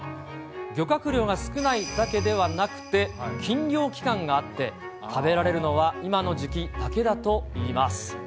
漁獲量が少ないだけではなくて、禁漁期間があって、食べられるのは今の時期だけだといいます。